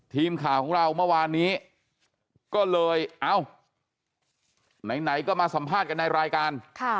ทีมข่าวของเราเมื่อวานนี้ก็เลยเอ้าไหนก็มาสัมภาษณ์กันในรายการ